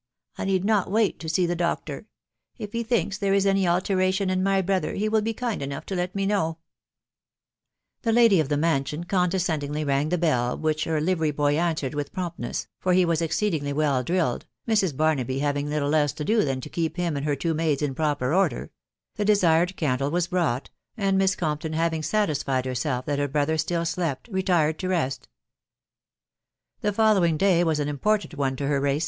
I need not wait to see the doctor. If he thinks there is any alteration in my brother, he will be kind enough to let me Know." The lady of the mansion condescendingly rang the bell, which her livery boy answered with promptness, for he was exceedingly well drilled, Mrs. Barnaby YiwV&%\\\&& &s& \s> &* than to keep him and her two maids m ^xo^t attest \<•>%• CB Tttt WIDOW BARNABY. the desired candle was brought, and Miss Compton having satisfied herself that her brother still slept) retired to rest; The following day was an important one to heraae ;..